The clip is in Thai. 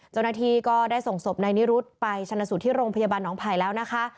เจ้าหน้าที่ก็ได้ส่งศพนายนิรุธไปชนะสูตรที่โรงพยาบาลหนองไผ่แล้วนะคะ